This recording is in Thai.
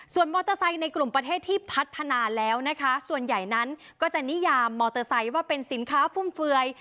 ส่วนมอเตอร์ไซค์ในกลุ่มประเทศที่พัฒนาแล้วนะคะส่วนใหญ่นั้นก็จะนิยามมอเตอร์ไซค์ว่าเป็นสินค้าฟุ่มเฟือย